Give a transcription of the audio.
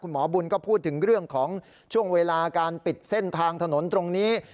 หมอบุญก็พูดถึงเรื่องของช่วงเวลาการปิดเส้นทางถนนตรงนี้